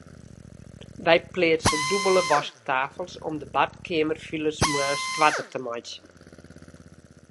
Wy pleatse dûbelde wasktafels om de badkeamerfiles moarns koarter te meitsjen.